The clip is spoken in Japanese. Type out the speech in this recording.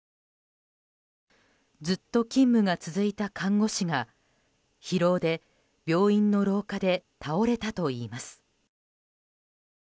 ずっと勤務が続いた看護師が疲労で、病院の廊下で倒れたといいます。